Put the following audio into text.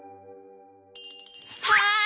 はい！